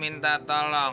baiklah ya bang